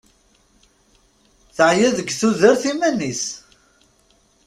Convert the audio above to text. Teɛya deg tudert iman-is.